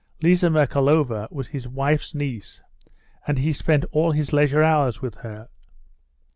Liza Merkalova was his wife's niece, and he spent all his leisure hours with her.